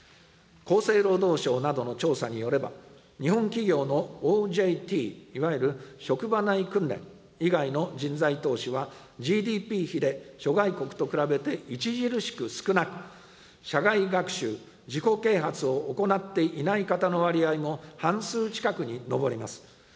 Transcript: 厚生労働省などの調査によれば、日本企業のＯＪＴ、いわゆる職場内訓練以外の人材投資は、ＧＤＰ比で諸外国と比べて著しく少なく、社外学習・自己啓発を行っていない方の割合も、半数近くに上ります。